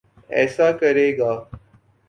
ایسا کرے گا۔